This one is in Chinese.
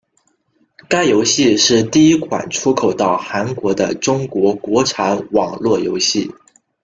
该游戏是第一款出口到韩国的中国国产网络游戏。